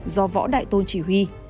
do võ đại tôn chỉ huy